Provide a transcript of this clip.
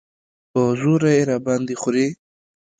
په زوره یې راباندې خورې.